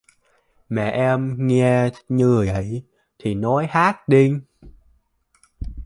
Mẹ em nghe như vậy thì nói hất đi